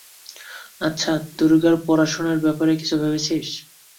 আচ্ছা, দুর্গার পড়াশুনার ব্যাপারে কিছু ভেবেছিস?